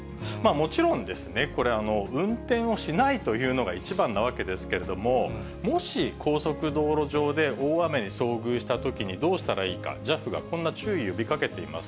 もちろんですね、これ、運転をしないというのが一番なわけですけれども、もし高速道路上で、大雨に遭遇したときにどうしたらいいか、ＪＡＦがこんな注意を呼びかけています。